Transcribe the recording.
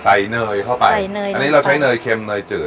ใส่เนยเข้าไปอันนี้เราใช้เนยเค็มเนยจืด